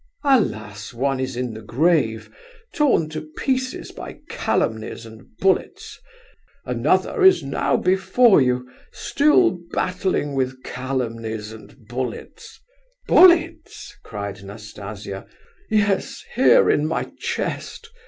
Alas one is in the grave, torn to pieces by calumnies and bullets; another is now before you, still battling with calumnies and bullets—" "Bullets?" cried Nastasia. "Yes, here in my chest.